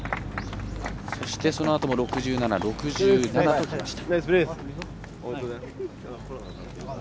そして、そのあとも６７、６７ときました。